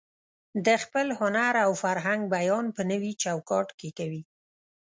د خپل هنر او فرهنګ بیان په نوي چوکاټ کې کوي.